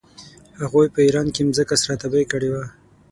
هغوی په ایران کې مځکه سره تبې کړې وه.